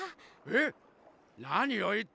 えっ！？